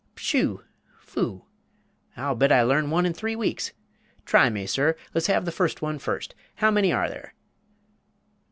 "Pshoo! foo! I'll bet I larn one in three weeks! Try me, sir, let's have the furst one furst how many are there?"